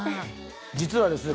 実はですね